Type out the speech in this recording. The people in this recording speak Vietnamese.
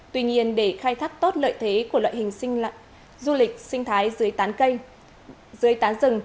tuy nhiên để khai thác tốt lợi thế của loại hình du lịch sinh thái dưới tán rừng